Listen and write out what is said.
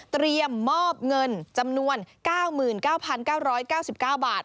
เตรียมมอบเงินจำนวน๙๙๙๙๙บาท